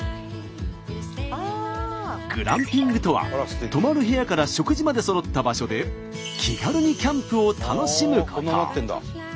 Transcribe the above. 「グランピング」とは泊まる部屋から食事までそろった場所で気軽にキャンプを楽しむこと。